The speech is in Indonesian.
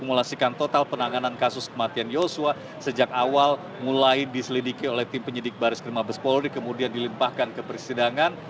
memulasikan total penanganan kasus kematian yosua sejak awal mulai diselidiki oleh tim penyidik baris krim mabes polri kemudian dilimpahkan ke persidangan